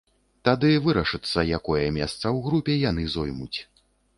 Тады вырашыцца, якое месца ў групе яны зоймуць.